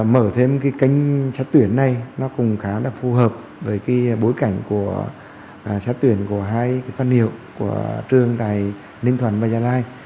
mở thêm cái kênh xét tuyển này nó cũng khá là phù hợp với cái bối cảnh của xét tuyển của hai phân hiệu của trường tại ninh thuận và gia lai